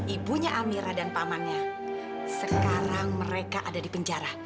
ibunya amira dan pamannya sekarang mereka ada di penjara